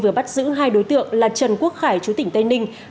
vừa bắt giữ hai đối tượng là trần quốc khải chú tỉnh tây ninh